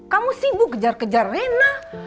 kamu sibuk kejar kejar rena